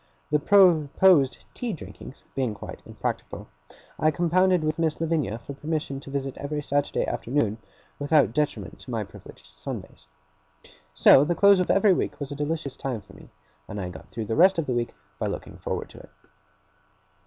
The proposed tea drinkings being quite impracticable, I compounded with Miss Lavinia for permission to visit every Saturday afternoon, without detriment to my privileged Sundays. So, the close of every week was a delicious time for me; and I got through the rest of the week by looking forward to it.